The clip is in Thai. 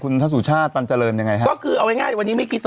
คุณท่านสุชาติตันเจริญยังไงฮะก็คือเอาง่ายวันนี้ไม่กิน